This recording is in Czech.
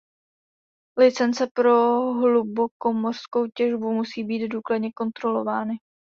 Licence pro hlubokomořskou těžbu musí být důkladně kontrolovány.